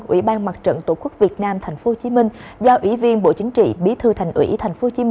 ủy ban mặt trận tổ quốc việt nam tp hcm do ủy viên bộ chính trị bí thư thành ủy tp hcm